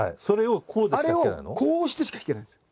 それをこうでしか弾けないの？